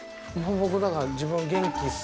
僕はだから、自分は元気っす。